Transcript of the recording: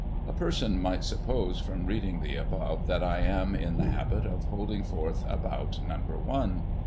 A person might suppose, from reading the above, that I am in the habit of holding forth about number one.